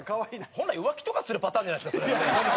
本来浮気とかするパターンじゃないですかそれ。